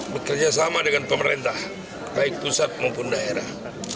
bekerja sama dengan pemerintah baik pusat maupun daerah